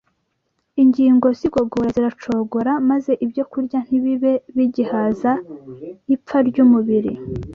ingingo z’igogora ziracogora, maze ibyokurya ntibibe bigihaza ipfa ry’umubiri